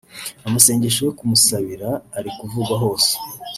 amasengesho yo kumusabira ari kuvugwa hose